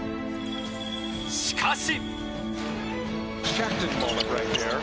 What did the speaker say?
しかし！